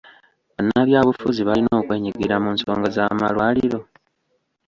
Bannabyabufuzi balina okwenyigira mu nsonga z'amalwaliro?